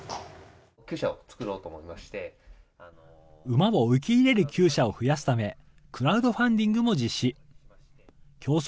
馬を受け入れるきゅう舎を増やすため、クラウドファンディングも実施。